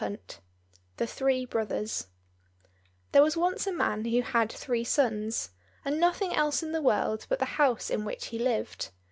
124 The Three Brothers There was once a man who had three sons, and nothing else in the world but the house in which he lived.